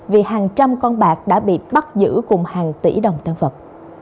vì hàng trăm con bạc đã bị bắt giữ cùng hàng tỷ đồng tăng vật